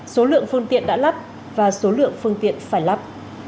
số lượng phương tiện đã lắp và số lượng phương tiện phải lắp